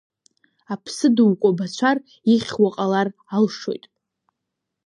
Аԥсы дукәабацәар ихьуа ҟалар алшоит…